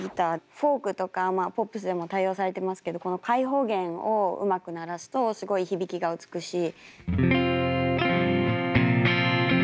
フォークとかポップスでも多用されてますけどこの開放弦をうまく鳴らすとすごい響きが美しい。